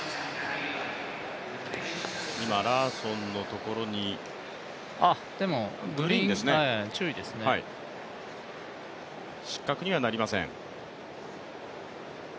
今ラーソンのところに、でもグリーンですね、失格にはなりません。